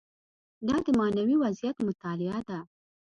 دا د معنوي وضعیت مطالعه ده.